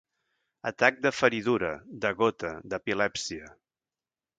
Atac de feridura, de gota, d'epilèpsia.